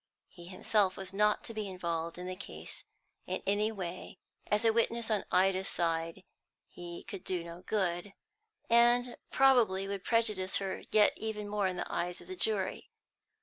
He himself was not to be involved in the case in any way; as a witness on Ida's side he could do no good, and probably would prejudice her yet more in the eyes of the jury.